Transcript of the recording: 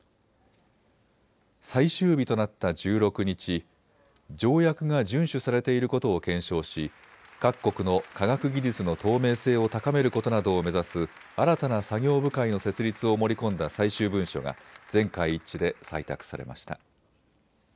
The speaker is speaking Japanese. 最終日となった１６日、条約が順守されていることを検証し各国の科学技術の透明性を高めることなどを目指す新たな作業部会の設立を盛り込んだ最終文書が全会一致で採択されました。